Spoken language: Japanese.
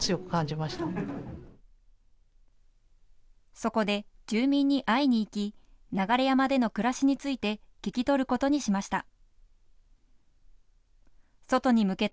そこで、住民に会いにいき流山での暮らしについて聞き取ることにしました。